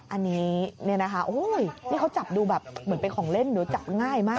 อันนี้เนี่ยนะคะโอ้ยนี่เขาจับดูแบบเหมือนเป็นของเล่นหรือจับง่ายมาก